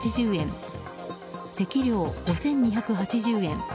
席料５２８０円